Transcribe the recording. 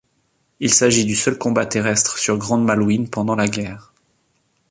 Il s'agit du seul combat terrestre sur Grande Malouine pendant la guerre.